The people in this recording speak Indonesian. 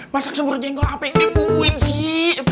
masak sebuah jengkol apa yang dibubuhin sih